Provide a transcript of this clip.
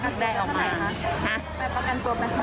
เขาบอกว่าต้องหามาให้ประกันตัวให้ได้ไม่งั้นต้องฝากถัง